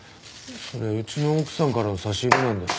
それうちの奥さんからの差し入れなんだよ。